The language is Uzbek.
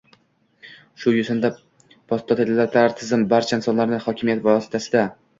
Shu yo‘sinda, posttotalitar tizim barcha insonlarni hokimiyat vositasida